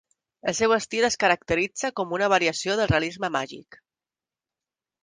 El seu estil es caracteritza com una variació del realisme màgic.